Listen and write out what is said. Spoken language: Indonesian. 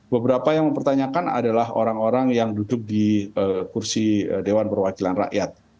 beberapa yang mempertanyakan adalah orang orang yang duduk di kursi dewan perwakilan rakyat